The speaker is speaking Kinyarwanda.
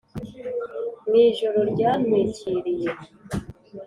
mu ijoro ryantwikiriye,